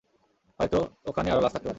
হয়ত ওখানে আরো লাশ থাকতে পারে।